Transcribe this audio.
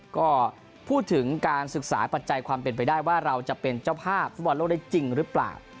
ก็พูดถึงการศึกษาปัจจัยความเป็นไปได้ว่าเราจะเป็นเจ้าภาพฟุตบอลโลกได้จริงหรือเปล่า